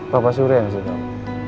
papa suri yang bisa tahu